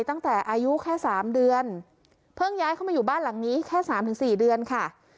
ตั้งแต่อายุแค่๓เดือนเพิ่งย้ายเข้ามาอยู่บ้านหลังนี้แค่สามถึงสี่เดือนค่ะ